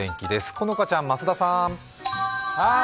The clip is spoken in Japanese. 好花ちゃん、増田さん！